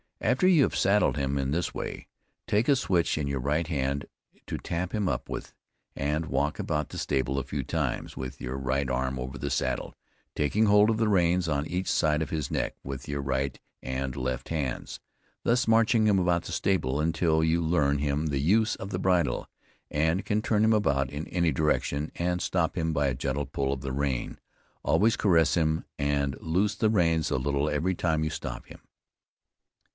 After you have saddled him in this way, take a switch in your right hand to tap him up with, and walk about in the stable a few times with your right arm over the saddle, taking hold of the reins on each side of his neck, with your right and left hands. Thus marching him about in the stable until you learn him the use of the bridle, and can turn him about in any direction, and stop him by a gentle pull of the rein. Always caress him, and loose the reins a little every time you stop him.